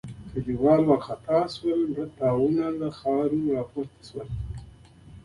کليوال وارخطا شول او مړه تاوونه له خاورو پورته شول.